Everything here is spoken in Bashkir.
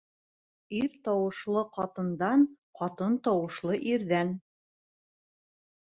Ир тауышлы ҡатындан, ҡатын тауышлы ирҙән